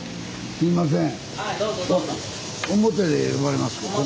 すいません。